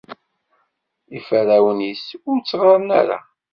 Iferrawen-is ur ttɣaren ara.